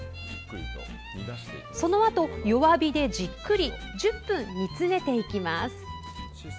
そのあと、弱火でじっくり１０分煮詰めていきます。